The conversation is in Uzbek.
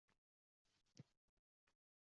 elga ketaman!